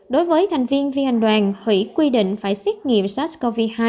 đối với thành viên viên hành đoàn hủy quy định phải xét nghiệm sars cov hai